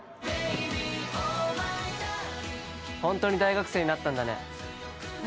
本当に大学生になったんだね。